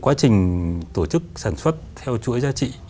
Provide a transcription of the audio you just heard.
quá trình tổ chức sản xuất theo chuỗi giá trị